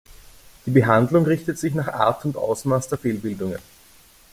Die Behandlung richtet sich nach Art und Ausmaß der Fehlbildungen.